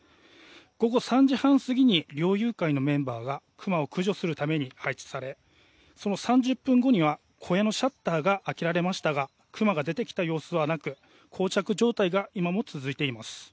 午後３時半過ぎに猟友会のメンバーがクマを駆除するために配置されその３０分後には小屋のシャッターが開けられましたがクマが出てきた様子はなく膠着状態が今も続いています。